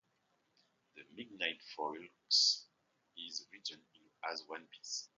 "The Midnight Folk" is written as one piece.